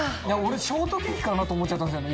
ショートケーキかと思っちゃったんすよね